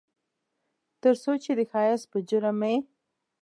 ترڅو چې د ښایست په جرم مې